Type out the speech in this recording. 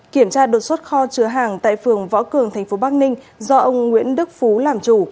kiểm tra đột xuất kho chứa hàng tại phường võ cường tp bắc ninh do ông nguyễn đức phú làm chủ